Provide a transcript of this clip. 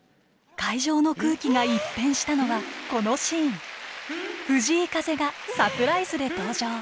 会場の空気が一変したのはこのシーン藤井風がサプライズで登場！